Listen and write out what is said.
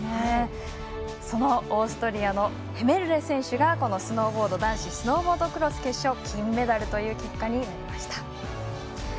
オーストリアのヘメルレ選手がこのスノーボード男子スノーボードクロス決勝で金メダルという結果になりました。